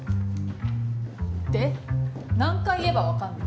で何回言えば分かんの？